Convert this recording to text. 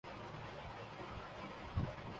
جس علم سے ہم آشنا ہیں۔